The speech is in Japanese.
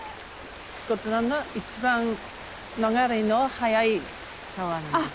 スコットランド一番流れの速い川なんです。